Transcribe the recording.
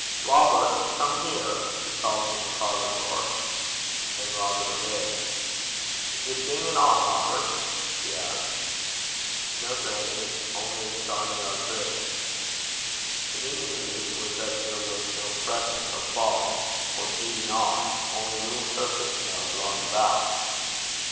'Robert, come here,' she called from the parlour door. And Robert obeyed. 'Is 't dingin' on, Robert?' she asked. 'No, grannie; it's only a starnie o' drift.' The meaning of this was that there was no fresh snow falling, or beating on, only a little surface snow blowing about.